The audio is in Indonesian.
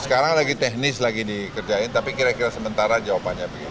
sekarang lagi teknis lagi dikerjain tapi kira kira sementara jawabannya begini